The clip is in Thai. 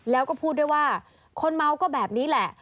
แล้วก็พูดด้วยว่าคนเมาก็แบบนี้แหละ